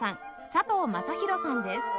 佐藤和大さんです